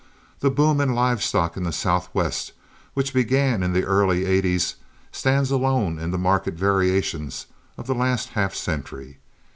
The boom in live stock in the Southwest which began in the early '80's stands alone in the market variations of the last half century.